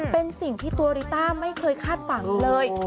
เป็นสิ่งที่ตัวริต้าไม่เคยคาดฝันเลย